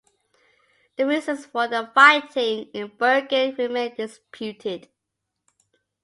The reasons for the fighting in Bergen remain disputed.